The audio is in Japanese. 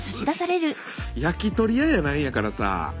焼き鳥屋やないんやからさ。